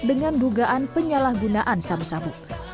dengan dugaan penyalahgunaan sabu sabu